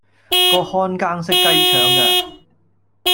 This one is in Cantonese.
個看更識雞腸㗎